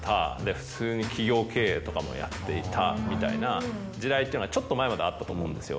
普通に企業経営とかもやっていたみたいな時代っていうのがちょっと前まであったと思うんですよ。